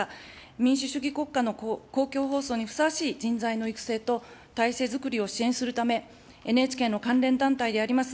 民主主義国家の公共放送にふさわしい人材の育成と体制づくりを支援するため、ＮＨＫの関連団体であります